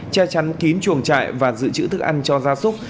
che chắn kín chuồng trại và giữ chữ thức ăn cho gia súc